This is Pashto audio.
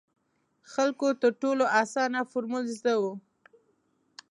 خلکو تر ټولو اسانه فارمول زده وو.